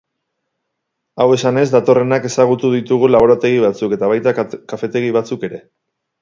Hau esanez datorrenak ezagutu ditugu laborategi batzuk, eta baita kafetegi batzuk ere.